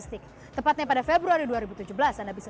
tepatnya pada februari dua ribu tujuh belas anda bisa